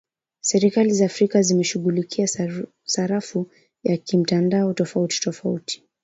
Serikali za Afrika zimeshughulikia sarafu ya kimtandao tofauti-tofauti